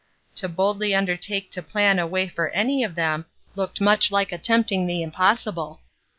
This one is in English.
To boldly undertake to plan a way for any of them looked much like attempting the impossible.